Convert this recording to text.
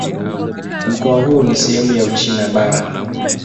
Mkoa huu ni sehemu ya Uchina Bara.